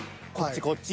こっち